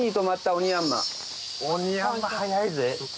オニヤンマ速いぜ。